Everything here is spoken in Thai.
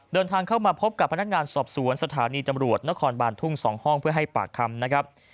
เดินทางเข้ามาพบกับพนักงานสอบสวนสถานีตำรวจนครบานทุ่ง๒ห้องเพื่อให้ปากคำนะครับ